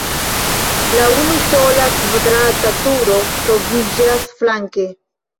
La unusola kvadrata turo troviĝas flanke.